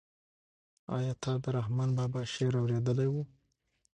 آیا تا د رحمان بابا شعر اورېدلی و؟